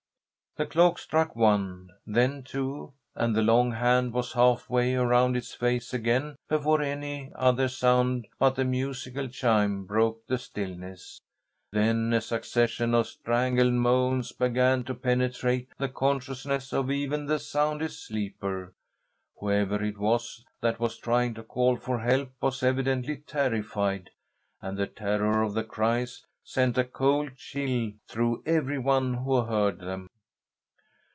The clock struck one, then two, and the long hand was half way around its face again before any other sound but the musical chime broke the stillness. Then a succession of strangled moans began to penetrate the consciousness of even the soundest sleeper. Whoever it was that was trying to call for help was evidently terrified, and the terror of the cries sent a cold chill through every one who heard them.